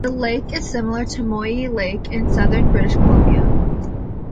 The lake is similar to Moyie Lake in southern British Columbia.